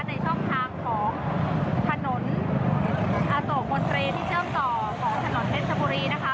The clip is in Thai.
ในช่องทางของถนนอโศกมนตรีที่เชื่อมต่อของถนนเพชรชบุรีนะคะ